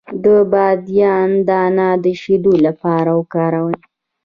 د بادیان دانه د شیدو لپاره وکاروئ